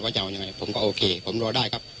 ว่าจะเอาอย่างไรผมก็โอเคผมรอได้ครับ